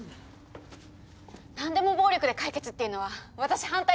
何でも暴力で解決っていうのは私反対です。